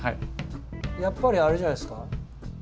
やっぱりあれじゃないですか。